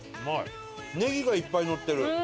ネギがいっぱいのってる。